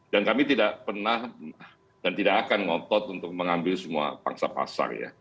dan kami tidak pernah dan tidak akan ngotot untuk mengambil semua bangsa pasar